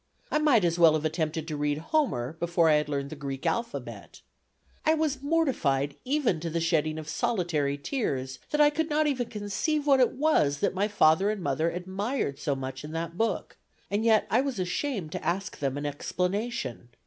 I might as well have attempted to read Homer before I had learned the Greek alphabet. I was mortified even to the shedding of solitary tears, that I could not even conceive what it was that my father and mother admired so much in that book, and yet I was ashamed to ask them an explanation.